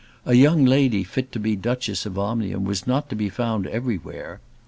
A young lady fit to be Duchess of Omnium was not to be found everywhere.